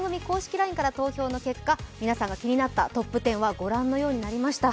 ＬＩＮＥから投票の結果、皆さんが気になったトップ１０はご覧のようになりました。